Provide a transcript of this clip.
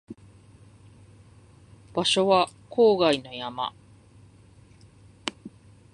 場所は郊外の山